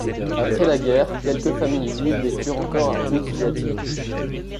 Après la guerre, quelques familles juives vécurent encore à Ousviaty.